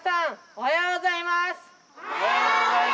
おはようございます！